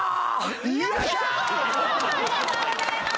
おめでとうございます！